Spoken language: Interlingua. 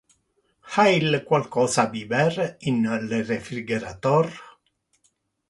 Ha il qualcosa a biber in le refrigerator?